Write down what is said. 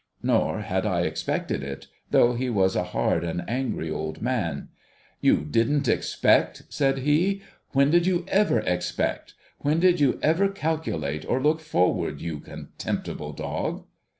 Nor had I expected it, though he was a hard and angry old man. ' You didn't expect !' said he ;' when did you ever expect ? ^Vhen did you ever calculate, or look forward, you contemptible dog?'